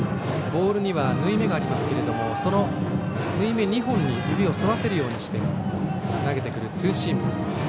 ボールには縫い目がありますがその縫い目２本に指を沿わせるようにして投げてくるツーシーム。